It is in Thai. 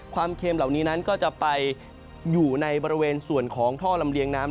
เค็มเหล่านี้นั้นก็จะไปอยู่ในบริเวณส่วนของท่อลำเลียงน้ำ